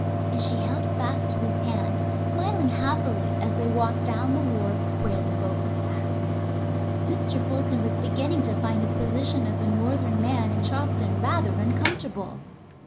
And she held fast to his hand, smiling happily, as they walked down the wharf where the boat was fastened. Mr. Fulton was beginning to find his position as a northern man in Charleston rather uncomfortable.